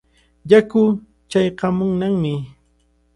Yaku chaykaamunnami.